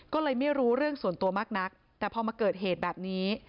ก็เลยไม่รู้เรื่องส่วนตัวมากนักแต่พอมาเกิดเหตุแบบนี้